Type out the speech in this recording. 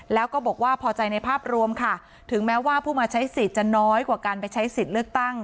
แล้วก็บอกว่าพอใจในภาพรวมค่ะถึงแม้ว่าผู้มาใช้สิทธิ์จะน้อยกว่าการไปใช้สิทธิ์เลือกตั้ง